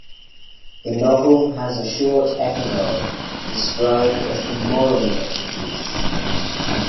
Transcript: The novel has a short epilogue, described as the moral of the piece.